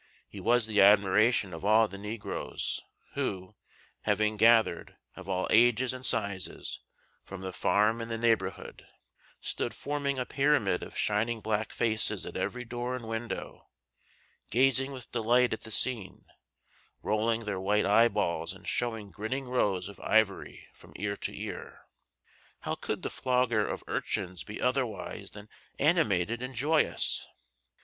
He was the admiration of all the negroes, who, having gathered, of all ages and sizes, from the farm and the neighborhood, stood forming a pyramid of shining black faces at every door and window, gazing with delight at the scene, rolling their white eyeballs, and showing grinning rows of ivory from ear to ear. How could the flogger of urchins be otherwise than animated and joyous?